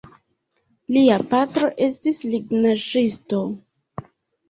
Lia patro estis lignaĵisto.